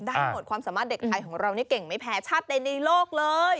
หมดความสามารถเด็กไทยของเรานี่เก่งไม่แพ้ชาติใดในโลกเลย